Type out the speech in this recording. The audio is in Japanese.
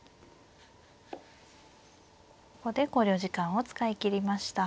ここで考慮時間を使い切りました。